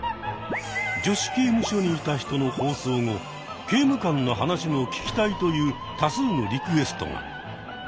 「女子刑務所にいた人」の放送後「刑務官の話も聞きたい」という多数のリクエストが！